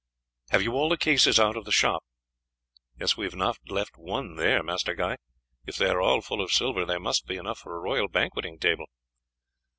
"Have you all the cases out of the shop?" "Yes, we have not left one there, Master Guy. If they are all full of silver there must be enough for a royal banqueting table."